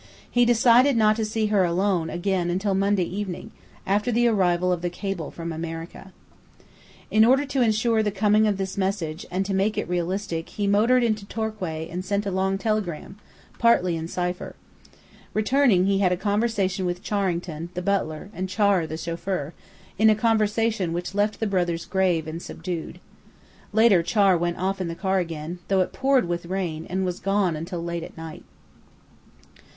He decided not to see her alone again until Monday evening, after the arrival of the cable from America. In order to insure the coming of this message, and to make it realistic, he motored into Torquay and sent a long telegram, partly in cipher. Returning, he had a conversation with Charrington, the butler, and Char, the chauffeur, a conversation which left the brothers grave and subdued. Later Char went off in the car again, though it poured with rain, and was gone until late at night.